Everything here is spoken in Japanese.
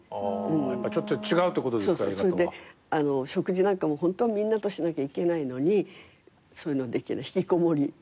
それで食事なんかもホントはみんなとしなきゃいけないのにそういうのできない引きこもりだった。